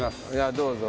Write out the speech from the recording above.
どうぞ。